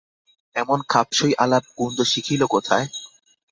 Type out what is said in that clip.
এমন খাপসই আলাপ কুন্দ শিখিল কোথায়?